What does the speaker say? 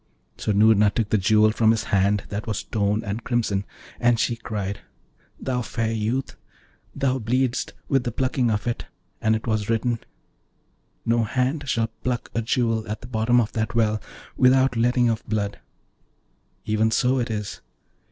So Noorna took the Jewel from his hand that was torn and crimson, and she cried, 'Thou fair youth, thou bleedest with the plucking of it, and it was written, no hand shall pluck a jewel at the bottom of that well without letting of blood. Even so it is!